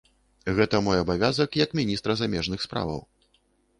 Гэта мой абавязак, як міністра замежных справаў.